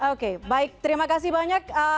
oke baik terima kasih banyak